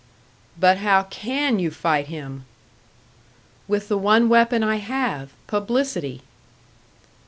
"But how can you fight him?" "With the one weapon I have publicity."